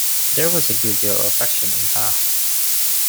There was a good deal of affection in her.